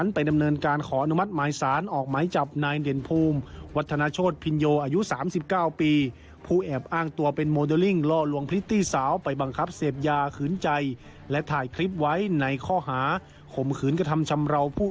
ไปติดตามจากรายงานค่ะ